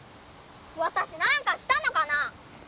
私何かしたのかな！？